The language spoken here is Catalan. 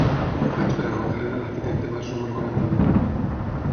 Com ho faig per anar al carrer de l'Arquitecte Mas número quaranta-u?